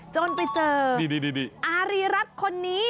จนไปเจออารีรัตรคนนี้